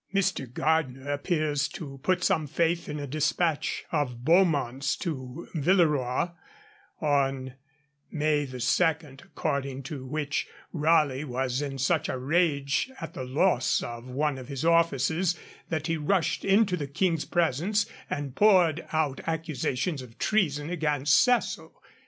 Mr. Gardiner appears to put some faith in a despatch of Beaumont's to Villeroi, on May 2, according to which Raleigh was in such a rage at the loss of one of his offices, that he rushed into the King's presence, and poured out accusations of treason against Cecil.